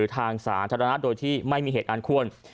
ทางสาธารณะโดยที่ไม่มีเหตุอันควร